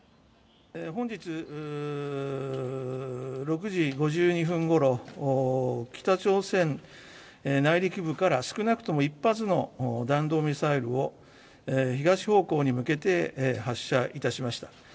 本日６時５２分ごろ、北朝鮮内陸部から少なくとも１発の弾道ミサイルを、東方向に向けて発射いたしました。